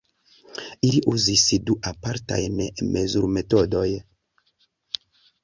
Ili uzis du apartajn mezurmetodojn.